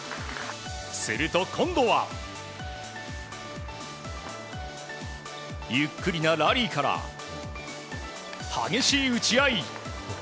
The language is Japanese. すると、今度はゆっくりなラリーから激しい打ち合い。